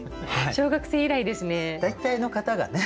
小学生以来ですね。